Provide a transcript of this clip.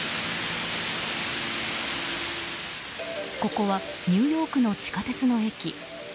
ここはニューヨークの地下鉄の駅。